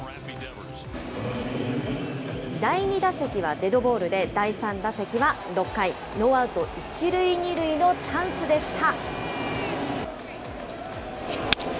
第２打席はデッドボールで第３打席は６回、ノーアウト１塁２塁のチャンスでした。